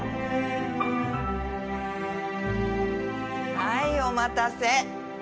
はいお待たせ。